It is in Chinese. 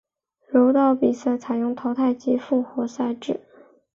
柔道比赛采用淘汰及复活赛制。